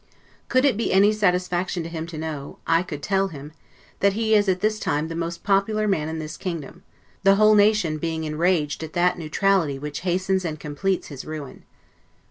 Could it be any satisfaction to him to know, I could tell him, that he is at this time the most popular man in this kingdom; the whole nation being enraged at that neutrality which hastens and completes his ruin.